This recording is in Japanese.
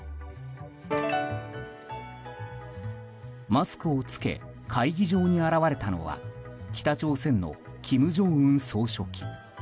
マスクを着け会議場に現れたのは北朝鮮の金正恩総書記。